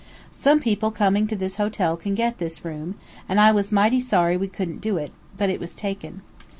Sometimes people coming to this hotel can get this room, and I was mighty sorry we couldn't do it, but it was taken.